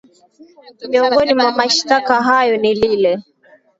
miongoni mwa mashitaka hayo ni lile